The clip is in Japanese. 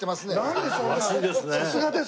さすがですね。